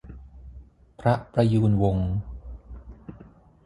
พระประยูรวงศ์